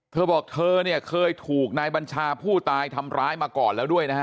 เธอบอกเธอเนี่ยเคยถูกนายบัญชาผู้ตายทำร้ายมาก่อนแล้วด้วยนะฮะ